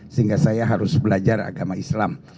sehingga saya harus belajar agama islam